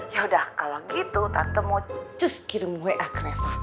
yaudah kalo gitu tante mau cus kirim wa ke reva